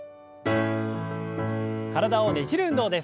体をねじる運動です。